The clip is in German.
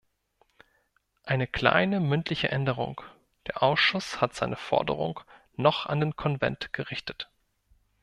Eine kleine mündliche Änderung: Der Ausschuss hat seine Forderung noch an den Konvent gerichtet.